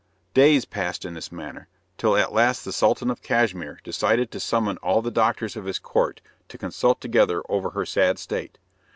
Days passed in this manner, till at last the Sultan of Cashmere decided to summon all the doctors of his court to consult together over her sad state.